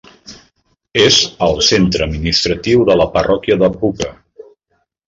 És el centre administratiu de la parròquia de Puka.